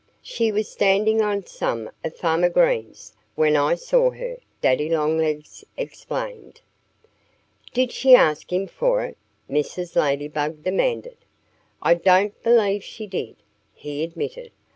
"She was standing on some of Farmer Green's, when I saw her," Daddy Longlegs explained. "Did she ask him for it?" Mrs. Ladybug demanded. "I don't believe she did," he admitted.